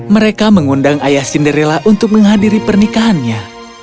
mereka mengundang ayah cinderella untuk menghadiri pernikahannya